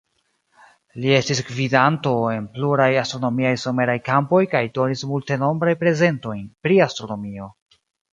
Li estis gvidanto en pluraj astronomiaj someraj kampoj kaj donis multenombraj prezentojn pri astronomio.